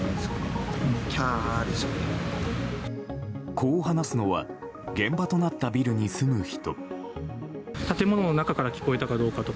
こう話すのは現場となったビルに住む人。